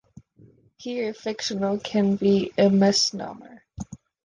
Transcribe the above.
Here "fictional" can be a misnomer.